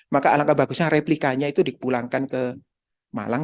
maka alangkah bagusnya replikanya itu dipulangkan ke malang